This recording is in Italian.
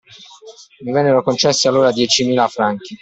Mi vennero concessi allora diecimila franchi;